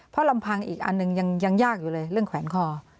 เพราะลำพังอีกอันหนึ่งยังยากอยู่เลยเรื่องแขวนคอ